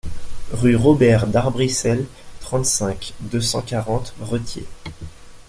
Rue Robert D'Arbrissel, trente-cinq, deux cent quarante Retiers